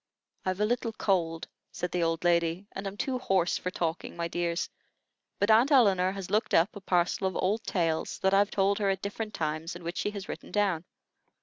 "I've a little cold," said the old lady, "and am too hoarse for talking, my dears; but Aunt Elinor has looked up a parcel of old tales that I've told her at different times and which she has written down.